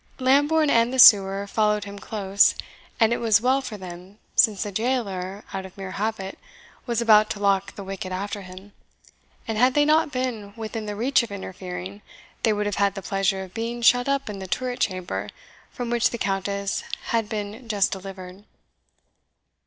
Lambourne and the sewer followed him close; and it was well for them, since the jailer, out of mere habit, was about to lock the wicket after him, and had they not been within the reach of interfering, they would have had the pleasure of being shut up in the turret chamber, from which the Countess had been just delivered.